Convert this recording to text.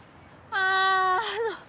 あああの。